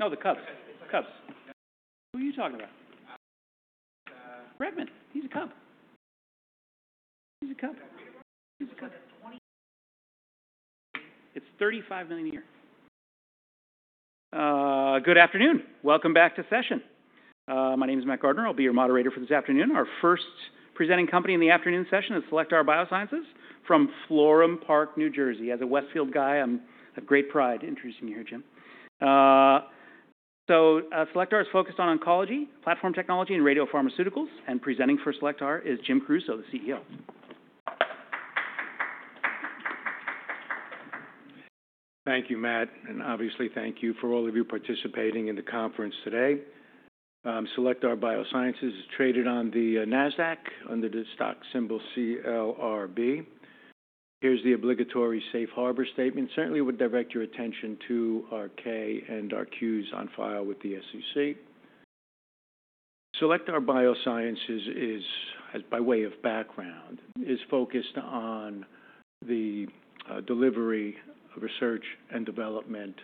Yeah. No, the cubs. Cubs. Who are you talking about? Good afternoon. Welcome back to session. My name is Matt Gardner. I'll be your moderator for this afternoon. Our first presenting company in the afternoon session is Cellectar Biosciences from Florham Park, New Jersey. As a Westfield guy, I have great pride introducing you here, Jim. Cellectar is focused on oncology, platform technology, and radiopharmaceuticals, and presenting for Cellectar is Jim Caruso, the CEO. Thank you, Matt. And obviously, thank you for all of you participating in the conference today. Cellectar Biosciences is traded on the NASDAQ under the stock symbol CLRB. Here's the obligatory safe harbor statement. Certainly, we'd direct your attention to our K and our Qs on file with the SEC. Cellectar Biosciences is, as by way of background, focused on the delivery of research and development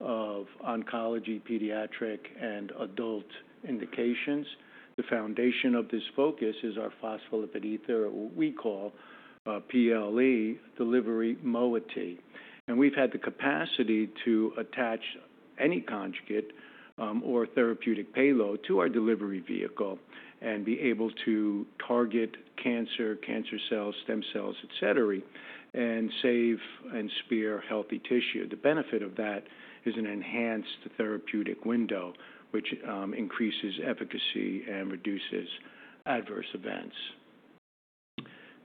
of oncology, pediatric, and adult indications. The foundation of this focus is our phospholipid ether, or what we call PLE, delivery moiety. And we've had the capacity to attach any conjugate, or therapeutic payload to our delivery vehicle and be able to target cancer, cancer cells, stem cells, etc., and spare healthy tissue. The benefit of that is an enhanced therapeutic window, which increases efficacy and reduces adverse events.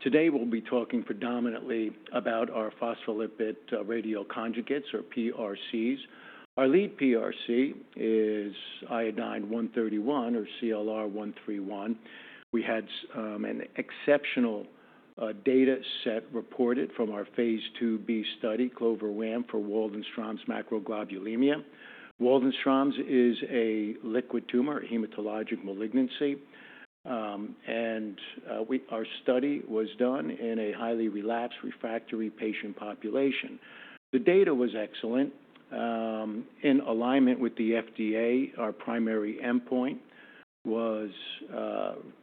Today, we'll be talking predominantly about our phospholipid radioconjugates, or PRCs. Our lead PRC is iodine-131, or CLR 131. We had an exceptional data set reported from our phase II-B study, CLOVER WaM, for Waldenstrom's macroglobulinemia. Waldenstrom's is a liquid tumor, a hematologic malignancy. Our study was done in a highly relapsed, refractory patient population. The data was excellent, in alignment with the FDA. Our primary endpoint was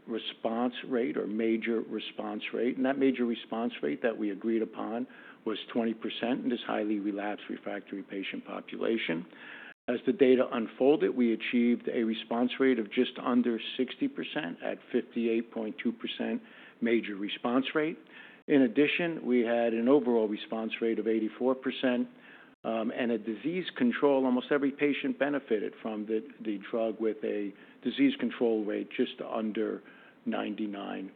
response rate, or major response rate. That major response rate that we agreed upon was 20% in this highly relapsed, refractory patient population. As the data unfolded, we achieved a response rate of just under 60% at 58.2% major response rate. In addition, we had an overall response rate of 84%, and a disease control. Almost every patient benefited from the drug with a disease control rate just under 99%.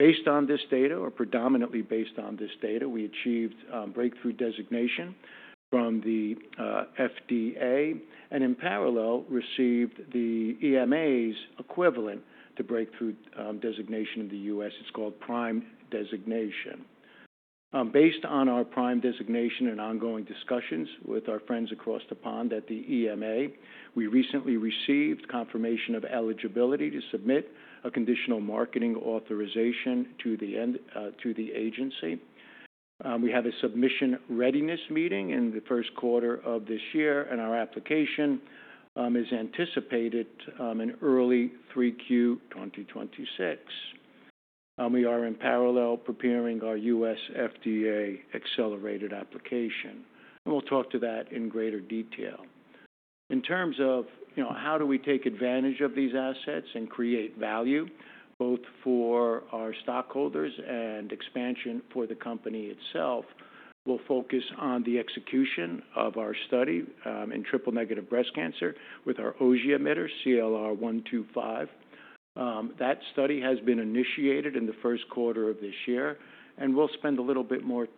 Based on this data, or predominantly based on this data, we achieved breakthrough designation from the FDA and in parallel received the EMA's equivalent to breakthrough designation in the U.S.. It's called PRIME designation. Based on our PRIME designation and ongoing discussions with our friends across the pond at the EMA, we recently received confirmation of eligibility to submit a conditional marketing authorization to the EMA, to the agency. We have a submission readiness meeting in the first quarter of this year, and our application is anticipated in early 3Q 2026. We are in parallel preparing our U.S. FDA accelerated application, and we'll talk to that in greater detail. In terms of, you know, how do we take advantage of these assets and create value both for our stockholders and expansion for the company itself, we'll focus on the execution of our study in triple-negative breast cancer with our Auger emitter, CLR 125. That study has been initiated in the first quarter of this year, and we'll spend a little bit more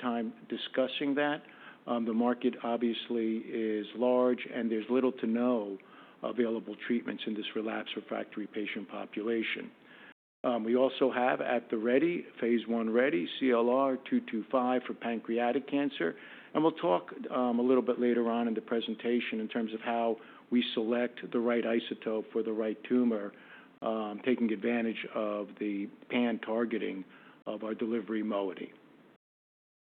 time discussing that. The market obviously is large, and there's little to no available treatments in this relapsed, refractory patient population. We also have at the ready, phase I ready, CLR 225 for pancreatic cancer. We'll talk a little bit later on in the presentation in terms of how we select the right isotope for the right tumor, taking advantage of the pan-targeting of our delivery moiety.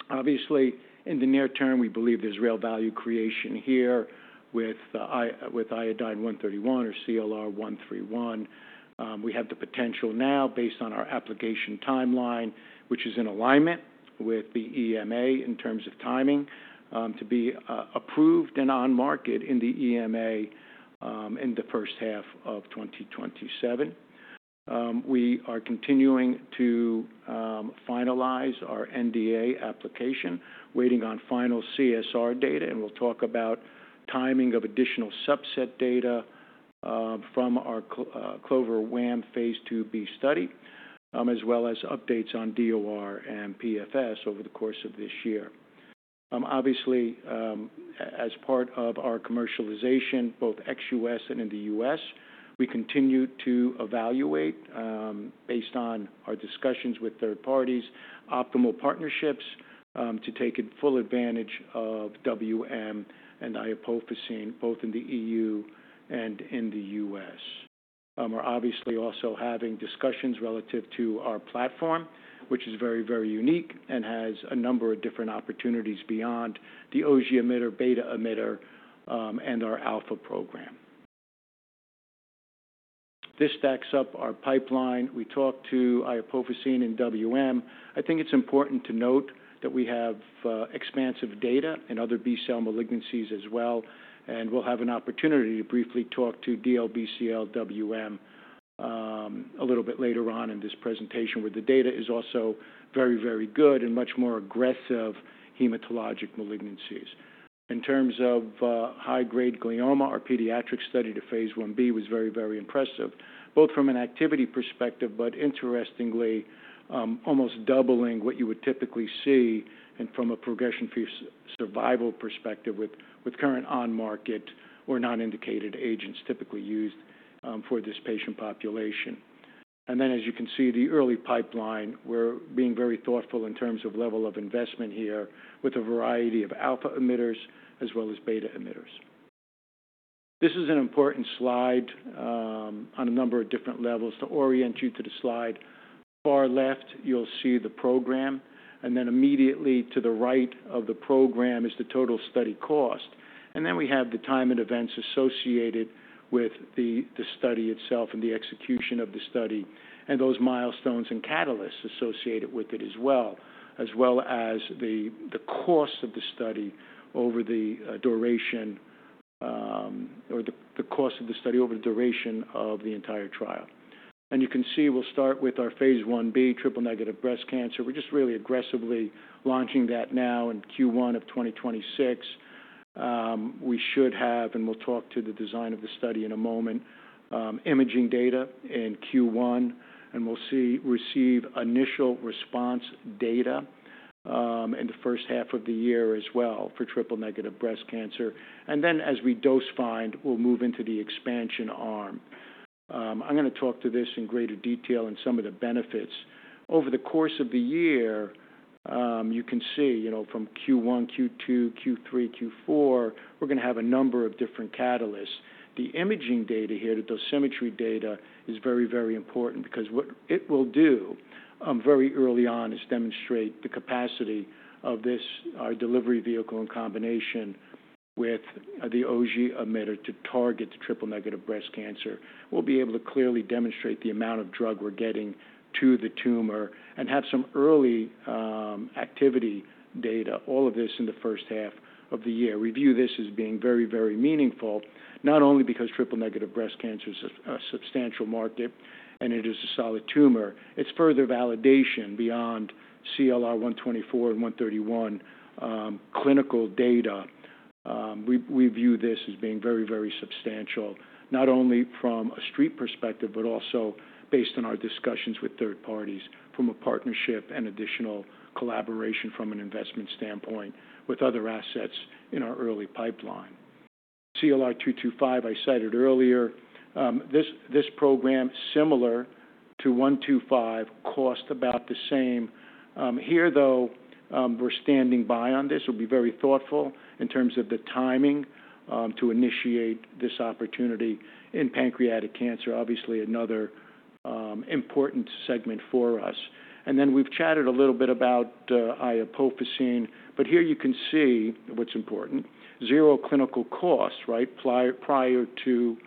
Obviously, in the near term, we believe there's real value creation here with iodine-131, or CLR 131. We have the potential now, based on our application timeline, which is in alignment with the EMA in terms of timing, to be approved and on market in the EMA, in the first half of 2027. We are continuing to finalize our NDA application, waiting on final CSR data, and we'll talk about timing of additional subset data, from our CLOVER WaM phase II-B study, as well as updates on DOR and PFS over the course of this year. Obviously, as part of our commercialization, both ex-U.S. and in the U.S., we continue to evaluate, based on our discussions with third parties, optimal partnerships, to take full advantage of WM and iopofosine both in the E.U. and in the U.S.. We're obviously also having discussions relative to our platform, which is very, very unique and has a number of different opportunities beyond the Auger emitter, beta emitter, and our alpha program. This stacks up our pipeline. We talked to iopofosine and WM. I think it's important to note that we have expansive data in other B-cell malignancies as well, and we'll have an opportunity to briefly talk to DLBCL WM a little bit later on in this presentation, where the data is also very, very good in much more aggressive hematologic malignancies. In terms of high-grade glioma, our pediatric study to phase I-B was very, very impressive, both from an activity perspective, but interestingly, almost doubling what you would typically see from a progression-free survival perspective with current on-market or non-indicated agents typically used for this patient population. And then, as you can see, the early pipeline, we're being very thoughtful in terms of level of investment here with a variety of alpha emitters as well as beta emitters. This is an important slide, on a number of different levels. To orient you to the slide, the far left, you'll see the program, and then immediately to the right of the program is the total study cost. And then we have the time and events associated with the study itself and the execution of the study and those milestones and catalysts associated with it as well, as well as the cost of the study over the duration, or the cost of the study over the duration of the entire trial. And you can see we'll start with our phase I-B, triple-negative breast cancer. We're just really aggressively launching that now in Q1 of 2026. We should have, and we'll talk to the design of the study in a moment, imaging data in Q1, and we'll receive initial response data in the first half of the year as well for triple-negative breast cancer. Then, as we dose find, we'll move into the expansion arm. I'm gonna talk to this in greater detail and some of the benefits. Over the course of the year, you can see, you know, from Q1, Q2, Q3, Q4, we're gonna have a number of different catalysts. The imaging data here, the dosimetry data, is very, very important because what it will do, very early on, is demonstrate the capacity of this, our delivery vehicle in combination with the Auger emitter to target the triple-negative breast cancer. We'll be able to clearly demonstrate the amount of drug we're getting to the tumor and have some early activity data, all of this in the first half of the year. We view this as being very, very meaningful, not only because triple-negative breast cancer is a substantial market and it is a solid tumor, it's further validation beyond CLR 124 and 131, clinical data. We view this as being very, very substantial, not only from a street perspective but also based on our discussions with third parties, from a partnership and additional collaboration from an investment standpoint with other assets in our early pipeline. CLR 225, I cited earlier, this program, similar to 125, costs about the same. Here, though, we're standing by on this. We'll be very thoughtful in terms of the timing, to initiate this opportunity in pancreatic cancer, obviously another, important segment for us. And then we've chatted a little bit about iopofosine, but here you can see what's important: zero clinical cost, right, prior to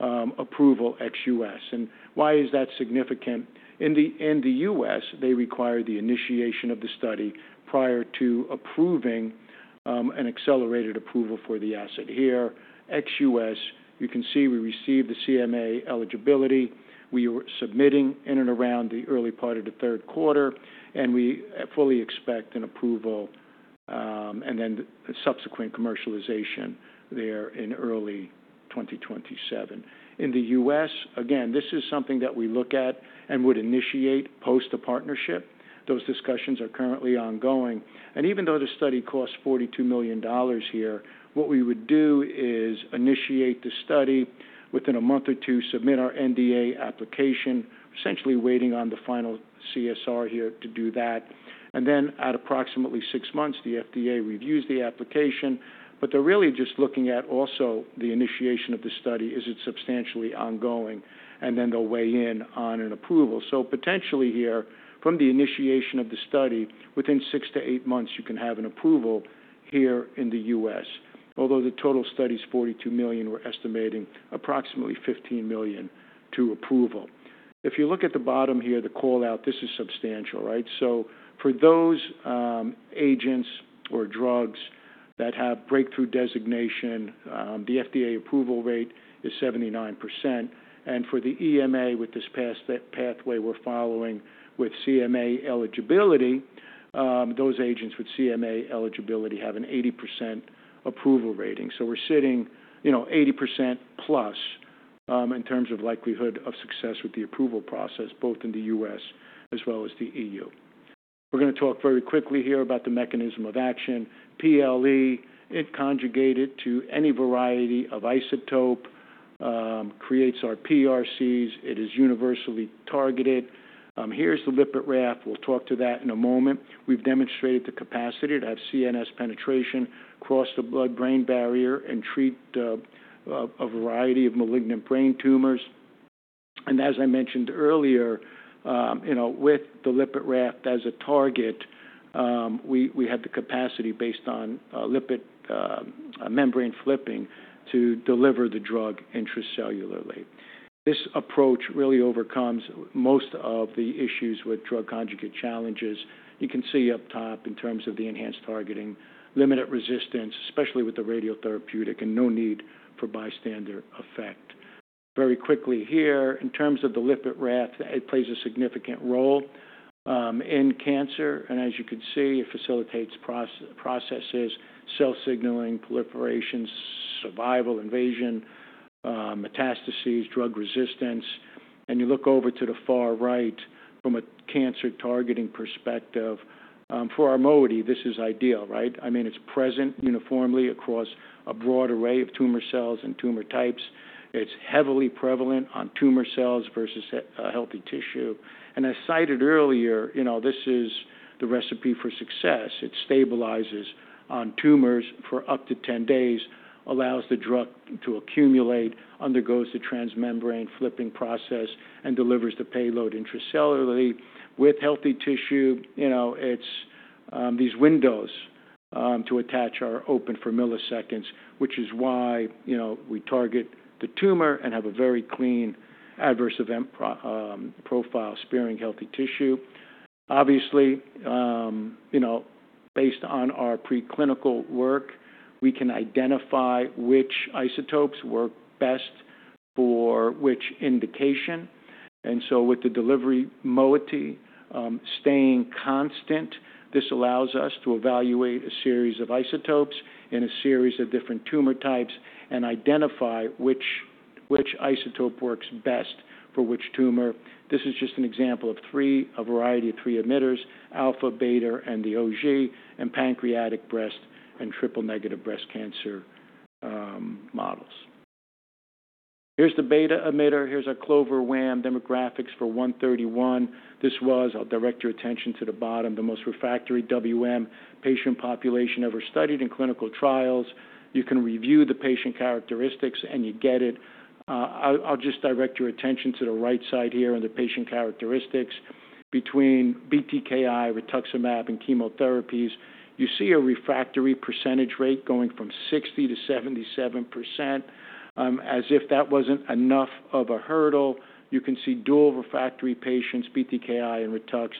approval ex-U.S.. And why is that significant? In the U.S., they require the initiation of the study prior to approving an accelerated approval for the asset. Here, ex-U.S., you can see we received the CMA eligibility. We were submitting in and around the early part of the third quarter, and we fully expect an approval, and then the subsequent commercialization there in early 2027. In the U.S., again, this is something that we look at and would initiate post a partnership. Those discussions are currently ongoing. And even though the study costs $42 million here, what we would do is initiate the study within a month or two, submit our NDA application, essentially waiting on the final CSR here to do that. Then, at approximately six months, the FDA reviews the application, but they're really just looking at also the initiation of the study: is it substantially ongoing? And then they'll weigh in on an approval. So potentially here, from the initiation of the study, within six to eight months, you can have an approval here in the U.S., although the total study's $42 million, we're estimating approximately $15 million to approval. If you look at the bottom here, the callout, this is substantial, right? So for those agents or drugs that have breakthrough designation, the FDA approval rate is 79%. And for the EMA, with this past pathway we're following with CMA eligibility, those agents with CMA eligibility have an 80% approval rating. So we're sitting, you know, 80% plus, in terms of likelihood of success with the approval process, both in the U.S. as well as the E.U. We're gonna talk very quickly here about the mechanism of action. PLE, it conjugated to any variety of isotope, creates our PRCs. It is universally targeted. Here's the lipid raft. We'll talk to that in a moment. We've demonstrated the capacity to have CNS penetration across the blood-brain barrier and treat a variety of malignant brain tumors. And as I mentioned earlier, you know, with the lipid raft as a target, we have the capacity based on lipid membrane flipping to deliver the drug intracellularly. This approach really overcomes most of the issues with drug-conjugate challenges. You can see up top in terms of the enhanced targeting, limited resistance, especially with the radiotherapeutic, and no need for bystander effect. Very quickly here, in terms of the lipid raft, it plays a significant role in cancer. As you can see, it facilitates processes, cell signaling, proliferation, survival, invasion, metastases, drug resistance. You look over to the far right from a cancer targeting perspective, for our moiety, this is ideal, right? I mean, it's present uniformly across a broad array of tumor cells and tumor types. It's heavily prevalent on tumor cells versus healthy tissue. As cited earlier, you know, this is the recipe for success. It stabilizes on tumors for up to 10 days, allows the drug to accumulate, undergoes the transmembrane flipping process, and delivers the payload intracellularly. With healthy tissue, you know, it's these windows to attach are open for milliseconds, which is why, you know, we target the tumor and have a very clean adverse event profile, sparing healthy tissue. Obviously, you know, based on our preclinical work, we can identify which isotopes work best for which indication. With the delivery moiety staying constant, this allows us to evaluate a series of isotopes in a series of different tumor types and identify which isotope works best for which tumor. This is just an example of three, a variety of three emitters: alpha, beta, and the Auger, and pancreatic breast and triple-negative breast cancer models. Here's the beta emitter. Here's our CLOVER WaM demographics for 131. This was. I'll direct your attention to the bottom, the most refractory WM patient population ever studied in clinical trials. You can review the patient characteristics, and you get it. I'll just direct your attention to the right side here on the patient characteristics. Between BTKi, Rituximab, and chemotherapies, you see a refractory percentage rate going from 60%-77%. As if that wasn't enough of a hurdle, you can see dual refractory patients, BTKi and Ritux,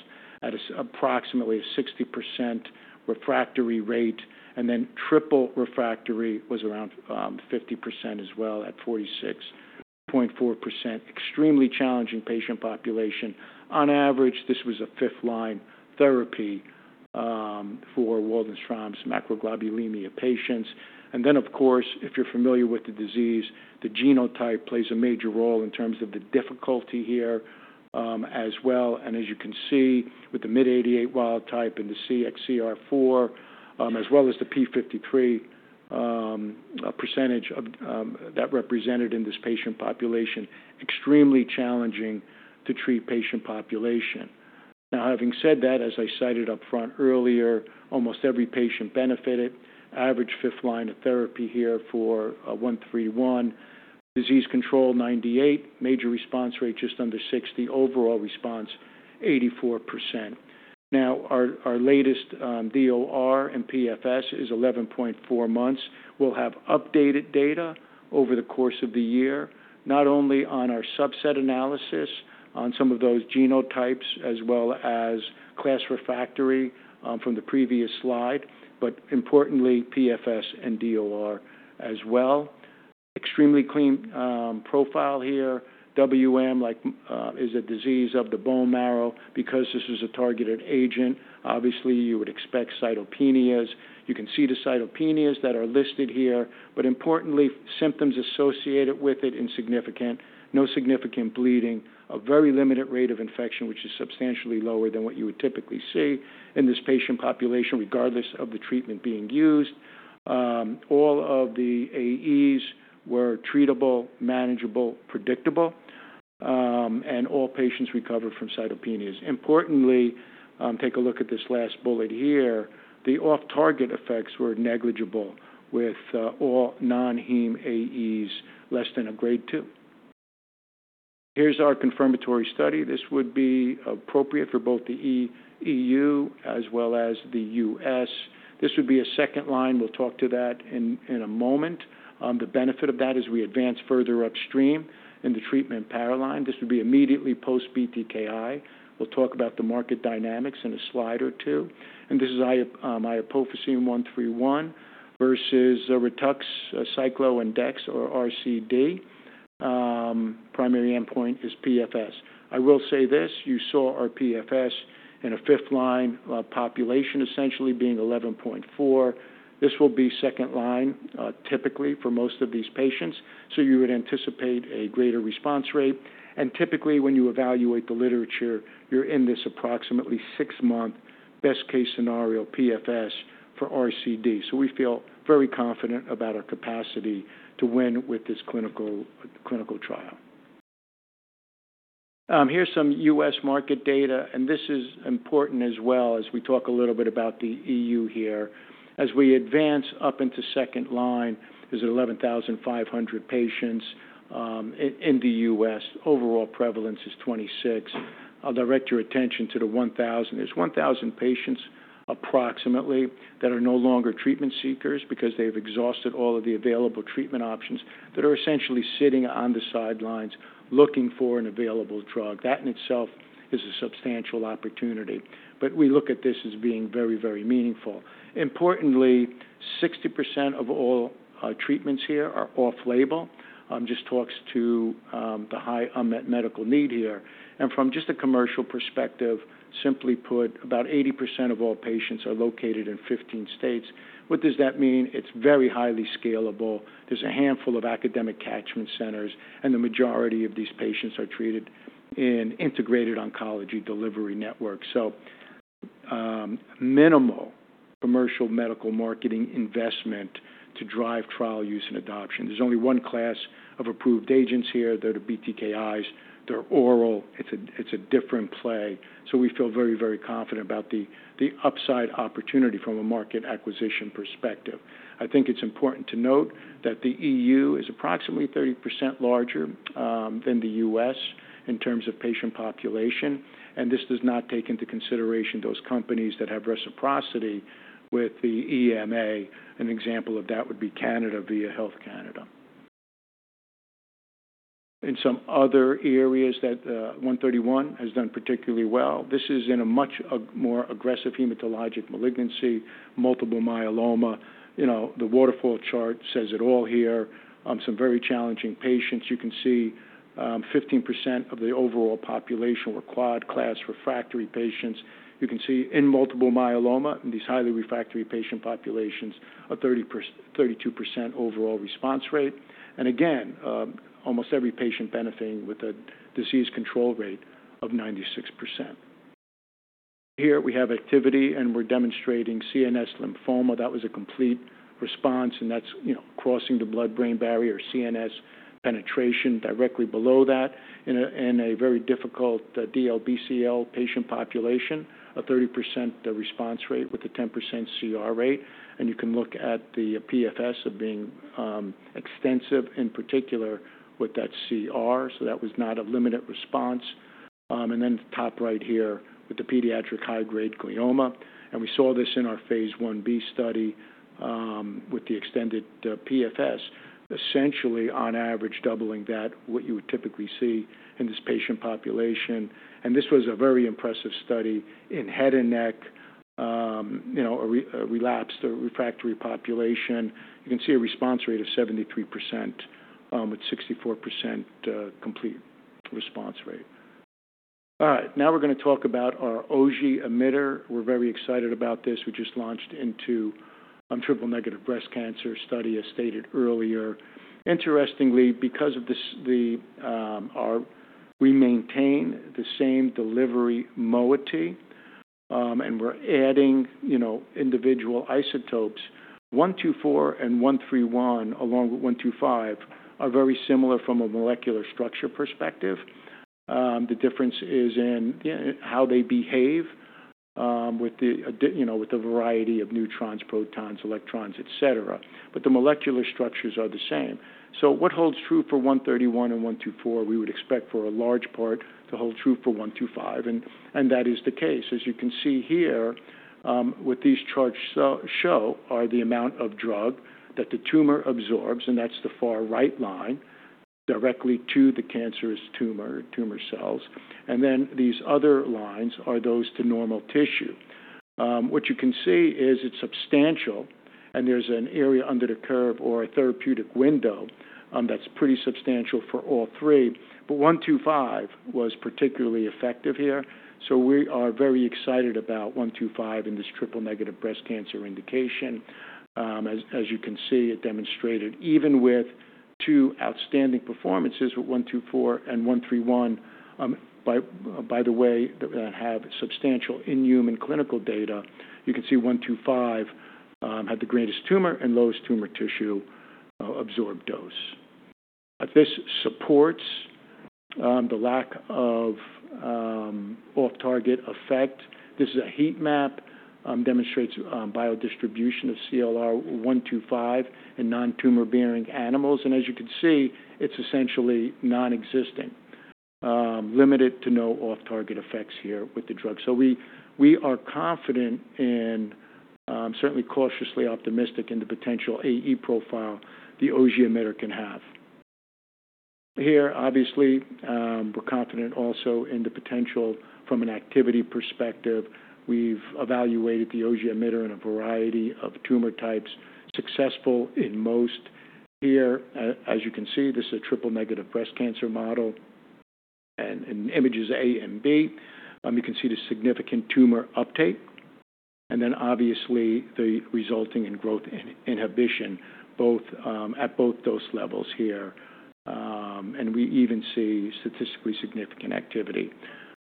at approximately a 60% refractory rate, and then triple refractory was around 50% as well at 46, 2.4%, extremely challenging patient population. On average, this was a fifth-line therapy for Waldenstrom's macroglobulinemia patients. Then, of course, if you're familiar with the disease, the genotype plays a major role in terms of the difficulty here, as well. As you can see, with the MYD88 wild type and the CXCR4, as well as the P53, percentage of that represented in this patient population, extremely challenging to treat patient population. Now, having said that, as I cited up front earlier, almost every patient benefited. Average fifth-line of therapy here for 131. Disease control 98%, major response rate just under 60%, overall response 84%. Now, our latest DOR and PFS is 11.4 months. We'll have updated data over the course of the year, not only on our subset analysis on some of those genotypes as well as class refractory, from the previous slide, but importantly, PFS and DOR as well. Extremely clean profile here. WM, like, is a disease of the bone marrow. Because this is a targeted agent, obviously you would expect cytopenias. You can see the cytopenias that are listed here, but importantly, symptoms associated with it insignificant. No significant bleeding, a very limited rate of infection, which is substantially lower than what you would typically see in this patient population, regardless of the treatment being used. All of the AEs were treatable, manageable, predictable, and all patients recovered from cytopenias. Importantly, take a look at this last bullet here. The off-target effects were negligible with all non-hematologic AEs less than Grade 2. Here's our confirmatory study. This would be appropriate for both the EU as well as the US. This would be a second line. We'll talk to that in a moment. The benefit of that is we advance further upstream in the treatment paradigm. This would be immediately post BTKi. We'll talk about the market dynamics in a slide or two. And this is, iopofosine I 131 versus a Ritux cyclo dex or RCD. Primary endpoint is PFS. I will say this, you saw our PFS in a fifth-line population, essentially being 11.4. This will be second line, typically for most of these patients, so you would anticipate a greater response rate. And typically, when you evaluate the literature, you're in this approximately six-month best-case scenario PFS for RCD. So we feel very confident about our capacity to win with this clinical trial. Here's some U.S. market data, and this is important as well as we talk a little bit about the E.U. here. As we advance up into second line, there's 11,500 patients in the U.S. Overall prevalence is 26. I'll direct your attention to the 1,000. There's 1,000 patients approximately that are no longer treatment seekers because they've exhausted all of the available treatment options that are essentially sitting on the sidelines looking for an available drug. That in itself is a substantial opportunity, but we look at this as being very, very meaningful. Importantly, 60% of all treatments here are off-label, just talks to the high unmet medical need here. And from just a commercial perspective, simply put, about 80% of all patients are located in 15 states. What does that mean? It's very highly scalable. There's a handful of academic catchment centers, and the majority of these patients are treated in integrated oncology delivery networks. So, minimal commercial medical marketing investment to drive trial use and adoption. There's only one class of approved agents here. They're the BTKis. They're oral. It's a it's a different play. So we feel very, very confident about the the upside opportunity from a market acquisition perspective. I think it's important to note that the EU is approximately 30% larger than the U.S. in terms of patient population. And this does not take into consideration those companies that have reciprocity with the EMA. An example of that would be Canada via Health Canada. In some other areas that 131 has done particularly well, this is in a much more aggressive hematologic malignancy, multiple myeloma. You know, the waterfall chart says it all here. Some very challenging patients. You can see 15% of the overall population were quad-class refractory patients. You can see in multiple myeloma in these highly refractory patient populations a 30%–32% overall response rate. And again, almost every patient benefiting with a disease control rate of 96%. Here we have activity, and we're demonstrating CNS lymphoma. That was a complete response, and that's, you know, crossing the blood-brain barrier, CNS penetration directly below that in a very difficult DLBCL patient population a 30% response rate with a 10% CR rate. And you can look at the PFS being extensive in particular with that CR. So that was not a limited response. And then the top right here with the pediatric high-grade glioma. And we saw this in our phase I-B study with the extended PFS, essentially on average doubling than what you would typically see in this patient population. And this was a very impressive study in head and neck, you know, a relapsed or refractory population. You can see a response rate of 73%, with 64% complete response rate. All right. Now we're going to talk about our Auger emitter. We're very excited about this. We just launched into triple-negative breast cancer study, as stated earlier. Interestingly, because of this, our we maintain the same delivery moiety, and we're adding, you know, individual isotopes. 124 and 131, along with 125, are very similar from a molecular structure perspective. The difference is in, you know, how they behave with the variety of neutrons, protons, electrons, et cetera. But the molecular structures are the same. So what holds true for 131 and 124, we would expect for a large part to hold true for 125. And that is the case. As you can see here, what these charts show are the amount of drug that the tumor absorbs, and that's the far right line, directly to the cancerous tumor, tumor cells, and then these other lines are those to normal tissue. What you can see is it's substantial, and there's an area under the curve or a therapeutic window, that's pretty substantial for all three, but 125 was particularly effective here, so we are very excited about 125 in this triple-negative breast cancer indication. As you can see, it demonstrated even with two outstanding performances with 124 and 131, by the way, that have substantial in human clinical data. You can see 125 had the greatest tumor and lowest normal tissue absorbed dose. This supports the lack of off-target effect. This is a heat map, demonstrates biodistribution of CLR 125 in non-tumor-bearing animals. As you can see, it's essentially non-existing, limited to no off-target effects here with the drug. So we are confident in, certainly cautiously optimistic in the potential AE profile the Auger emitter can have. Here, obviously, we're confident also in the potential from an activity perspective. We've evaluated the Auger emitter in a variety of tumor types, successful in most. Here, as you can see, this is a triple-negative breast cancer model. In images A and B, you can see the significant tumor uptake. Then obviously the resulting in growth in inhibition, both at both dose levels here. We even see statistically significant activity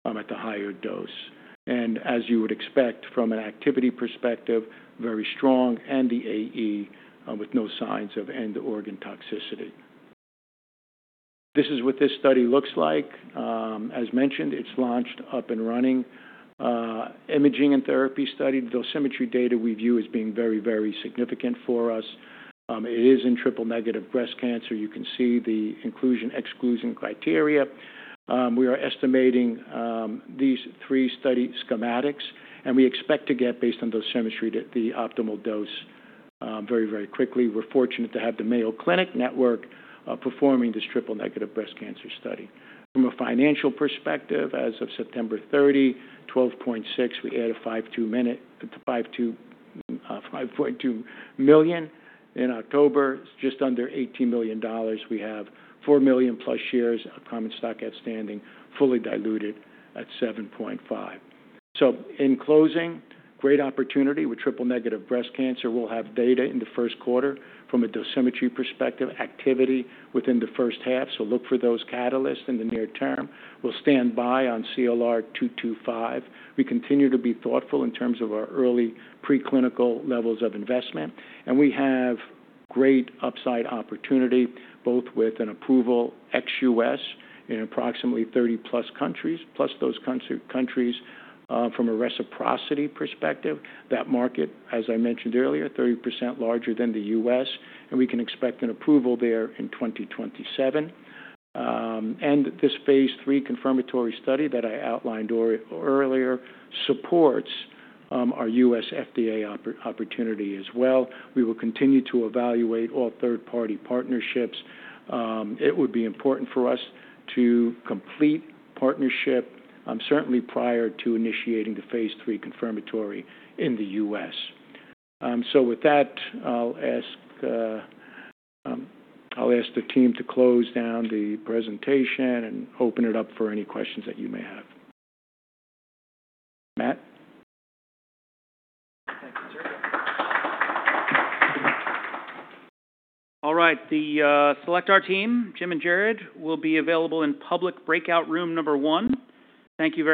at the higher dose. As you would expect from an activity perspective, very strong and the AE, with no signs of end-organ toxicity. This is what this study looks like. As mentioned, it's launched up and running. imaging and therapy study, those scintigraphy data we view as being very, very significant for us. It is in triple-negative breast cancer. You can see the inclusion-exclusion criteria. We are estimating these three study schematics, and we expect to get, based on those scintigraphy, the optimal dose very, very quickly. We're fortunate to have the Mayo Clinic Network performing this triple-negative breast cancer study. From a financial perspective, as of September 30, $12.6 million, we added $5.2 million. In October, it's just under $18 million. We have 4 million+ shares of common stock outstanding, fully diluted at 7.5. So in closing, great opportunity with triple-negative breast cancer. We'll have data in the first quarter from a dosimetry perspective, activity within the first half. So look for those catalysts in the near term. We'll stand by on CLR 225. We continue to be thoughtful in terms of our early preclinical levels of investment, and we have great upside opportunity, both with an approval ex-US in approximately 30-plus countries, plus those countries, from a reciprocity perspective. That market, as I mentioned earlier, 30% larger than the U.S., and we can expect an approval there in 2027, and this phase III confirmatory study that I outlined earlier supports our U.S. FDA opportunity as well. We will continue to evaluate all third-party partnerships. It would be important for us to complete partnership, certainly prior to initiating the phase III confirmatory in the U.S.. With that, I'll ask the team to close down the presentation and open it up for any questions that you may have. Matt. Thank you, sir. All right. The Cellectar team, Jim and Jarrod, will be available in public breakout room number one. Thank you very.